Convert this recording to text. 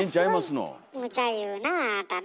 ものすごいむちゃ言うなああなたね。